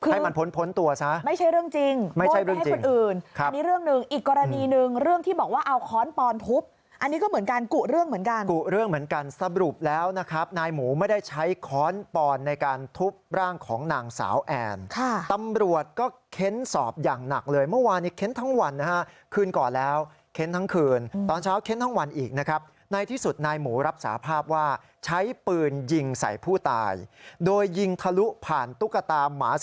ให้มันพ้นตัวซะไม่ใช่เรื่องจริงไม่ใช่เรื่องจริงไม่ให้คนอื่นครับอันนี้เรื่องหนึ่งอีกกรณีหนึ่งเรื่องที่บอกว่าเอาค้อนปอนทุบอันนี้ก็เหมือนกันกุเรื่องเหมือนกันกุเรื่องเหมือนกันสรุปแล้วนะครับนายหมูไม่ได้ใช้ค้อนปอนในการทุบร่างของนางสาวแอนค่ะตำรวจก็เค้นสอบอย่างหนักเลยเมื่อวานนี้เค้นทั้งวันนะฮะคืนก่อน